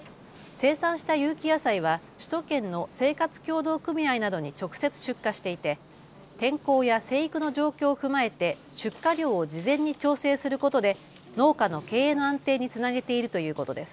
生産した有機野菜は首都圏の生活協同組合などに直接出荷していて天候や生育の状況を踏まえて出荷量を事前に調整することで農家の経営の安定につなげているということです。